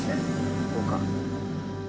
ここか。